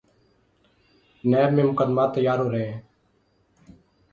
NAB میں مقدمات تیار ہو رہے ہیں۔